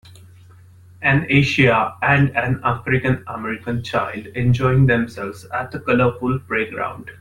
An Asian and an African American child enjoying themselves at a colorful playground.